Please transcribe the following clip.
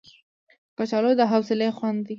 کچالو د حوصلې خوند دی